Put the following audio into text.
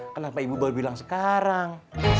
kenapa ibu baru bilang sekarang